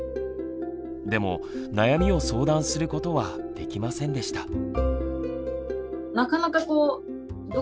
でも悩みを相談することはできませんでした。